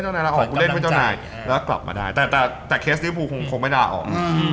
นายลาออกกูเล่นเพื่อเจ้านายแล้วกลับมาได้แต่เคสริวภูคงไม่ลาออก